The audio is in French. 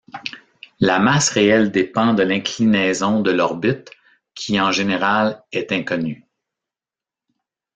La masse réelle dépend de l'inclinaison de l'orbite, qui en général est inconnue.